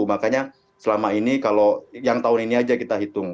makanya selama ini kalau yang tahun ini aja kita hitung